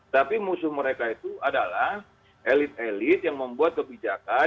tapi musuh mereka itu adalah elit elit yang membuat kebijakan